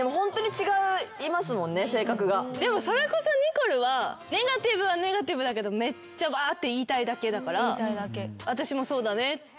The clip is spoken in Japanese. でもそれこそニコルはネガティブはネガティブだけどめっちゃワーッて言いたいだけだから私もそうだねって聞いてるだけ。